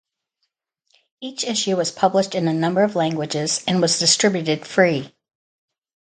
Each issue was published in a number of languages and was distributed free.